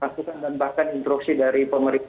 masukan dan bahkan instruksi dari pemerintah